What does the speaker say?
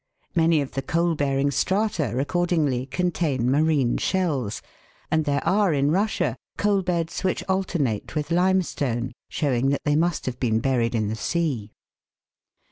Many of the coal bearing strata accordingly contain marine shells, and there are in Russia coal beds which alternate with limestone, showing that they must have been buried in the sea.